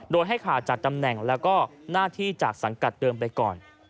โดยให้ขาดจากตำแหน่งแล้วก็หน้าที่จากสังกัดเดิมไปก่อน